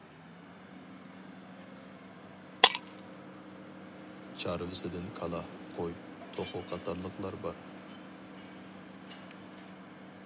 چارۋىسىدىن كالا، قوي، توخۇ قاتارلىقلار بار.